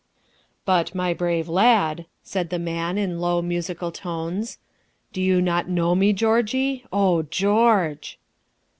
"But, my brave lad," said the man in low musical tones, "do you not know me, Georgie? Oh, George!"